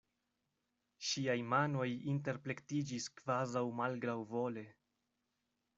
Ŝiaj manoj interplektiĝis kvazaŭ malgraŭvole.